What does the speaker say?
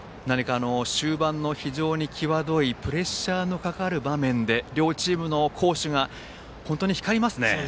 終盤の非常に際どいプレッシャーのかかる場面で両チームの好守が光りますね。